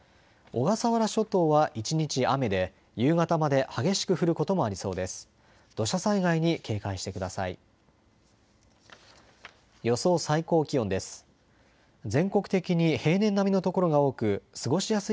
小笠原諸島は一日雨で夕方まで激しく降ることもありそうです。